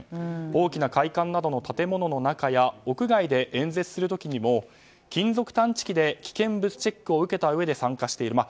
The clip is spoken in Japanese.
大きな会館などの建物の中や屋外で演説する時にも金属探知機で危険物チェックを受けたうえで参加している。